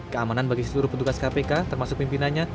keamanan bagi seluruh petugas kpk termasuk pimpinannya